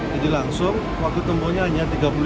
jadi langsung waktu tempohnya hanya sepuluh